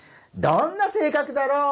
どんな性格だろう？